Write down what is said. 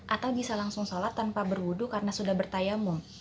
atau bisa langsung sholat tanpa berwudu karena sudah bertayamum